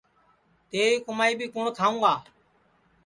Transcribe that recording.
تیری کُمائی بی کُوٹؔ کھاوں گا